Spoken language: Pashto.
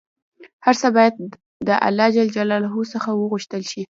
هر څه باید د الله ﷻ څخه وغوښتل شي